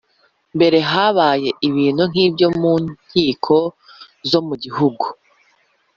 mbere habaye ibintu nk ibyo Mu nkiko zo mu gihugu